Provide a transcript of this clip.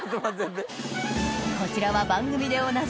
こちらは番組でおなじみ